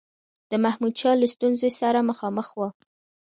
د محمودشاه له ستونزي سره مخامخ وو.